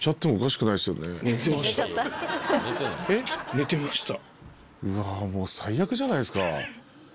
寝てました。